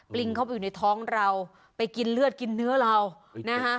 ลิงเข้าไปอยู่ในท้องเราไปกินเลือดกินเนื้อเรานะฮะ